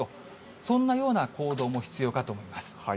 そんなような行動が必要かと思います。